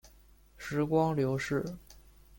时光流逝